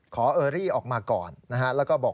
ขอเออรี่ออกมาก่อนนะครับ